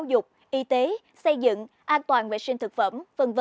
giáo dục y tế xây dựng an toàn vệ sinh thực phẩm v v